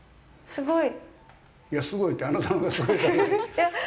すごい。